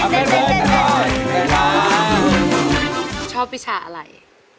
เพื่อนรักไดเกิร์ต